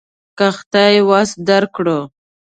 که خدای وس درکړو.